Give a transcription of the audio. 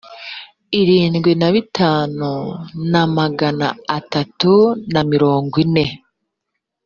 irindwi na bitanu na magana atatu na mirongo ine